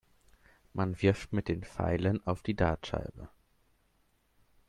Man wirft mit den Pfeilen auf die Dartscheibe.